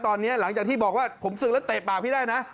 ตอนนี้หลังจากที่บอกว่าผมศึกแล้วเตะปากพี่ได้นะ